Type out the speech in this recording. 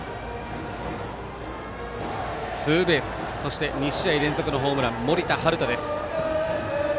ツーベースそして２試合連続のホームラン森田大翔です。